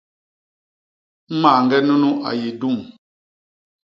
Mañge nunu a yé dum.